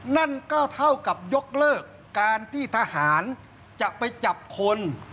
นั่นก็เท่ากับยกเลิกการที่ทหารจะไปจับคน